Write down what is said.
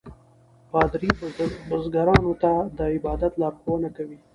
پادري بزګرانو ته د عبادت لارښوونه کوي.